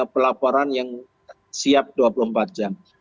pelaporan yang siap dua puluh empat jam